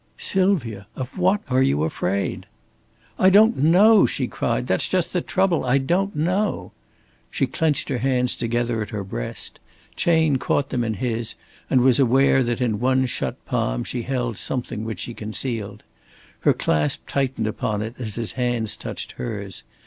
"Sylvia! Of what are you afraid?" "I don't know!" she cried. "That's just the trouble. I don't know!" She clenched her hands together at her breast. Chayne caught them in his and was aware that in one shut palm she held something which she concealed. Her clasp tightened upon it as his hands touched hers.